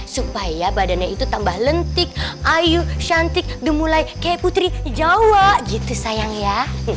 supaya badannya itu tambah lentik ayu cantik demulai ke putri jawa gitu sayang ya